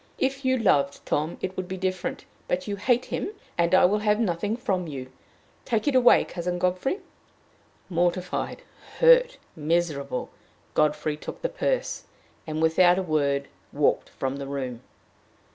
If you loved Tom, it would be different, but you hate him, and I will have nothing from you. Take it away, Cousin Godfrey." Mortified, hurt, miserable, Godfrey took the purse, and, without a word, walked from the room.